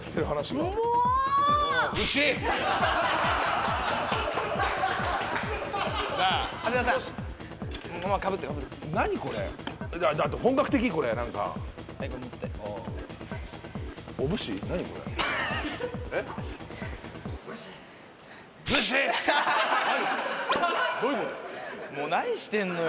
もう何してんのよ！